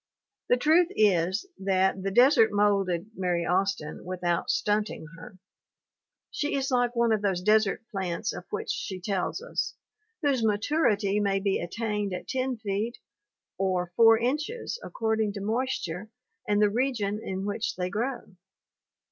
The truth is that the desert molded Mary Austin without stunting her. She is like one of those desert plants of which she tells us, whose maturity may be attained at ten feet or MARY AUSTIN 173 four inches, according to moisture and the region in which they grow.